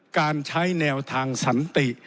การใช้แนวทางสันติ